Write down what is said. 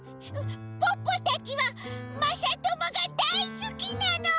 ポッポたちはまさともがだいすきなの！